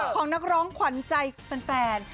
ของนักร้องขวัญใจแฟน